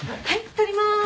撮ります。